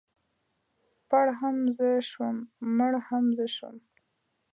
پړ هم زه شوم مړ هم زه شوم.